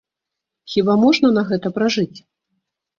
Хіба можна на гэта пражыць?